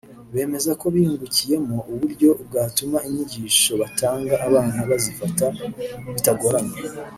bemeza ko bayungukiyemo uburyo bwatuma inyigisho batanga abana bazifata bitagoranye